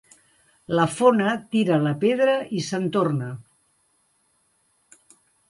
La fona tira la pedra i se'n torna.